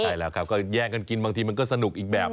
ใช่แล้วครับก็แย่งกันกินบางทีมันก็สนุกอีกแบบ